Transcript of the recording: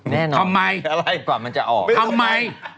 แน่นอนอะไรกว่ามันจะออกทำไมทำไม